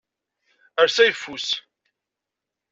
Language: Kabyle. Err s ayeffus.